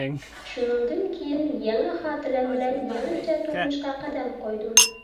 شۇنىڭدىن كىيىن يېڭى خاتىرەم بىلەن يېڭىچە تۇرمۇشقا قەدەم قويدۇم.